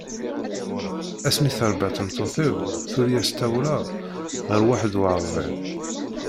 Ass mi terba tmeṭṭut-iw tuli-as tawla ɣer waḥed u ṛebɛin.